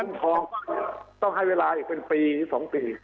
คุ้มครองต้องให้เวลาอีกเป็นปีสองปี